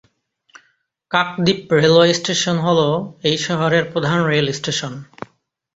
Kakdwip railway station হল এই শহরের প্রধান রেল স্টেশন।